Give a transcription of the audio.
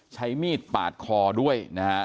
ใช้มีดปาดคอด้วย